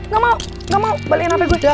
nggak mau nggak mau balikin hp gue